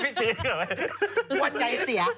รู้สึกว่าใจเสีย